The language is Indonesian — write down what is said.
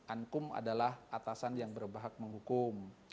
ankum adalah atasan yang berbahak menghukum